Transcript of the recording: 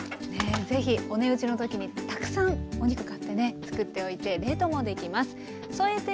ぜひお値打ちの時にたくさんお肉買ってつくっておいて冷凍もできます。